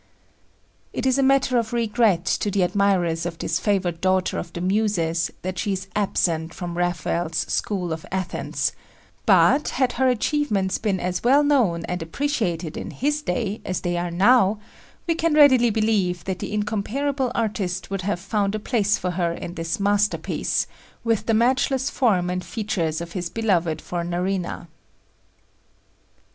It is a matter of regret to the admirers of this favored daughter of the Muses that she is absent from Raphael's School of Athens; but, had her achievements been as well known and appreciated in his day as they are now, we can readily believe that the incomparable artist would have found a place for her in this masterpiece with the matchless form and features of his beloved Fornarina.